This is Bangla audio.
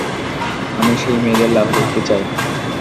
আমি সেই মেয়েদের লাশ দেখতে চাই।